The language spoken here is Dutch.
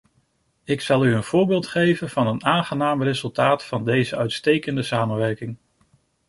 Ik zal u een voorbeeld geven van een aangenaam resultaat van deze uitstekende samenwerking.